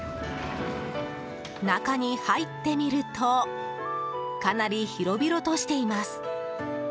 中に入ってみるとかなり広々としています。